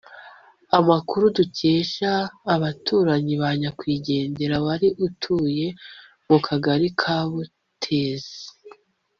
Amakuru dukesha abaturanyi ba nyakwigendera wari utuye mu Kagari ka Butezi